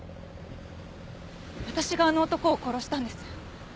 私があの男を殺したんです。